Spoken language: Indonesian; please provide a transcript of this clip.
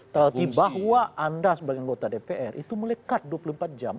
tapi bahwa anda sebagai anggota dpr itu melekat dua puluh empat jam